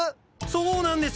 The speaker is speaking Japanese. そうなんです。